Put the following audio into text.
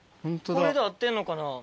これで合ってんのかな。